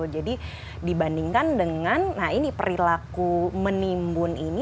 jadi dibandingkan dengan nah ini perilaku menimbun ini